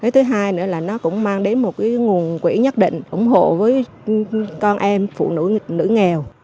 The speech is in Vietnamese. thứ hai nữa là nó cũng mang đến một nguồn quỹ nhất định ủng hộ với con em phụ nữ nghèo